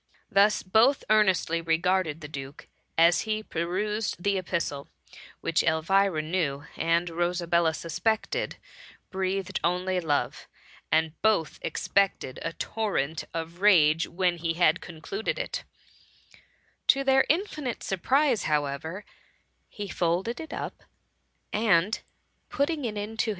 Thus both earnestly regarded the duke as he perused the epistle, which Elvira knew, and Rosabella suspected, breathed only love ; and both expected a torrent of rage when lie had concluded it To their infinite surprise however, he folded it up, and putting it into THE MUMMY.